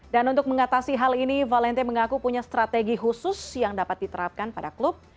dan untuk mengatasi hal ini valente mengaku punya strategi khusus yang dapat diterapkan pada klub